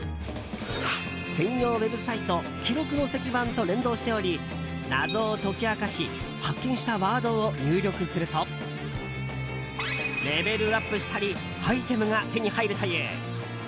専用ウェブサイト記録の石板と連動しており謎を解き明かし発見したワードを入力するとレベルアップしたりアイテムが手に入るという。